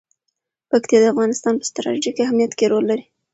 پکتیا د افغانستان په ستراتیژیک اهمیت کې رول لري.